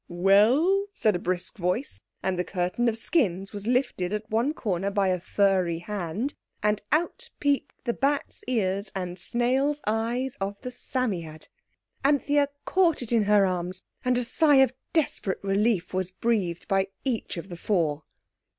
"Well?" said a brisk voice, and the curtain of skins was lifted at one corner by a furry hand, and out peeped the bat's ears and snail's eyes of the Psammead. Anthea caught it in her arms and a sigh of desperate relief was breathed by each of the four.